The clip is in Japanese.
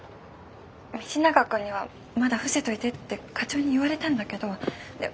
道永君にはまだ伏せといてって課長に言われたんだけど。